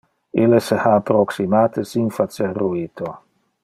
Ille se ha approximate sin facer ruito.